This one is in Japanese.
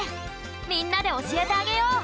みんなでおしえてあげよう。